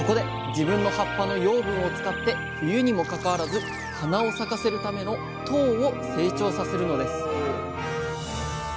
自分の葉っぱの養分を使って冬にもかかわらず花を咲かせるための「とう」を成長させるのです